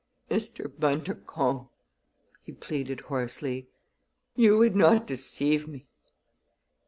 "Mr. Bundercombe," he pleaded hoarsely, "you would not deceive me!"